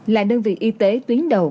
là đơn vị y tế tuyến đầu